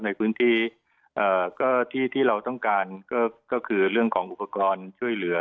ในพื้นที่ก็ที่เราต้องการก็คือเรื่องของอุปกรณ์ช่วยเหลือ